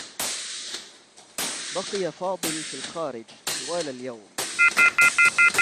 بقي فاضل في الخارج طوال اليوم.